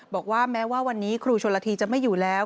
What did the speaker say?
บอกว่าแม้ว่าวันนี้ครูชนละทีจะไม่อยู่แล้ว